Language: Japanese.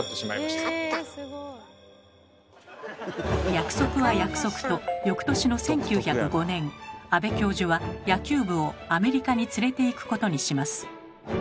約束は約束と翌年の１９０５年安部教授は野球部をアメリカに連れていくことにします。